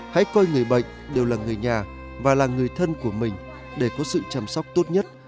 hãy coi người bệnh đều là người nhà và là người thân của mình để có sự chăm sóc tốt nhất